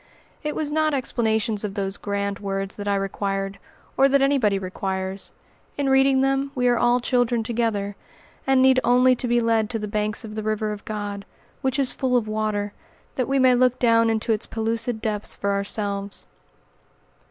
It was not explanations of those grand words that I required, or that anybody requires. In reading them we are all children together, and need only to be led to the banks of the river of God, which is full of water, that we may look down into its pellucid depths for ourselves.